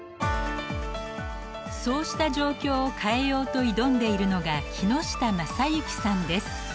そうした状況を変えようと挑んでいるのが木下昌之さんです。